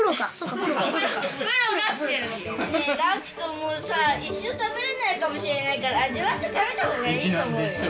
もうさ一生食べれないかもしれないから味わって食べたほうがいいよ